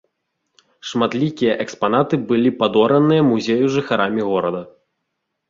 Шматлікія экспанаты былі падораныя музею жыхарамі горада.